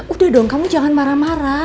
udah dong kamu jangan marah marah